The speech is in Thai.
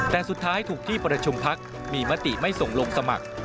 แต่สุดท้ายถูกที่ประชุมพักมีมติไม่ส่งลงสมัคร